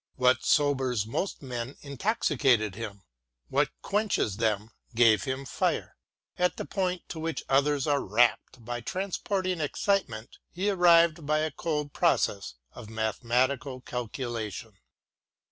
What sobers most men intoxicated him. What quenches them gave him fire. At the point to which others are rapt by transporting excitement, he arrived by a cold process of mathematical calculation.